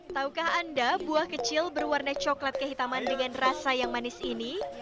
taukah anda buah kecil berwarna coklat kehitaman dengan rasa yang manis ini